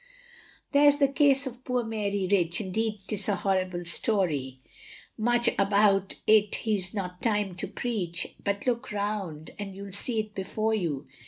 There's the case of poor Mary Rich, Indeed 'tis a horrible story, Much about it he's not time to preach, But look round and you'll see it before you.